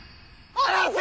離せ！